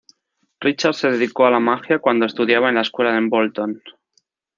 Richard se dedicó a la magia cuando estudiaba en la escuela en Bolton.